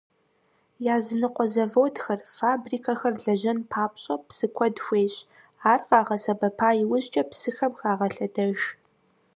Языныкъуэ заводхэр, фабрикэхэр лэжьэн папщӀэ, псы куэд хуейщ, ар къагъэсэбэпа иужькӀэ псыхэм хагъэлъэдэж.